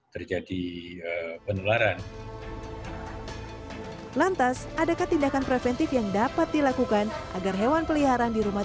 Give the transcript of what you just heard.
terjadi penularan lantas adakah tindakan preventif yang dapat dilakukan agar hewan peliharaan di rumah